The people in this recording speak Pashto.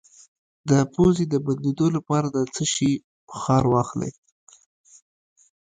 د پوزې د بندیدو لپاره د څه شي بخار واخلئ؟